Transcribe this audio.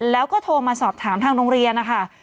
แล้วก็โทรมาสอบถามทางโรงเรียนนะคะ